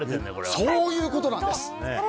そういうことなんです。